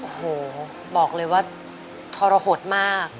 โอ้โหบอกเลยว่าทรหดมาก